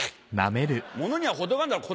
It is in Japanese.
物にはほどがあんだろう